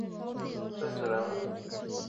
吴世勋是大韩民国的律师及政治人物。